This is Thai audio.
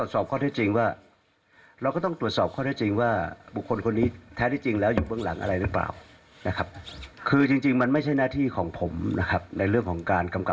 สรุปสุดท้ายแล้วเรื่องนี้นะคะ